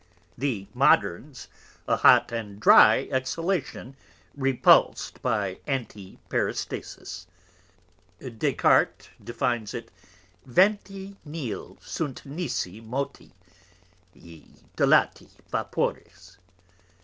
The Moderns, a Hot and Dry Exhalation repuls'd by Antiperistasis; Des Cartes defines it, Venti Nihil sunt nisi Moti & Dilati Vapores.